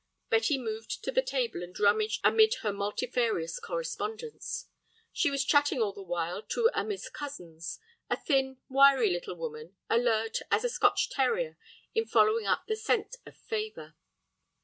Betty moved to the table and rummaged amid her multifarious correspondence. She was chatting all the while to a Miss Cozens, a thin, wiry little woman, alert as a Scotch terrier in following up the scent of favor.